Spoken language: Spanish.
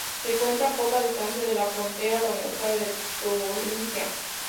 Se encuentra a poca distancia de la frontera con el estado de Turingia.